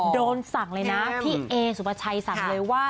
โดนสั่งเลยนะพี่เอสุปชัยสั่งเลยว่า